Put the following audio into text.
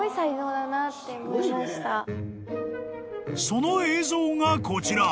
［その映像がこちら］